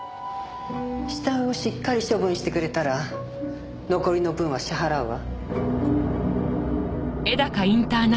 死体をしっかり処分してくれたら残りの分は支払うわ。